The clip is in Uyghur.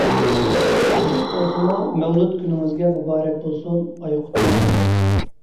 كېچىكىپ بولسىمۇ مەۋلۇت كۈنىڭىزگە مۇبارەك بولسۇن، ئايقۇت ھەدە!